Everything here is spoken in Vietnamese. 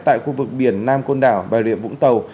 tại khu vực biển nam côn đảo bà rịa vũng tàu